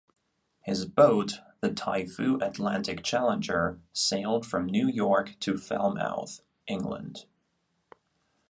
His boat, the Typhoo Atlantic Challenger, sailed from New York to Falmouth, England.